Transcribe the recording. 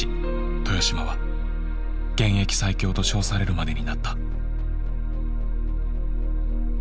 豊島は現役最強と称されるまでになった。